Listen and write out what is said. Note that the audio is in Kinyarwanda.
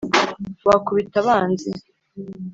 Wakubita abanzi